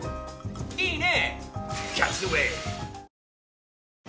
いいね！